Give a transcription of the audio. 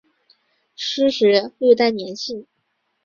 湿时略带黏性。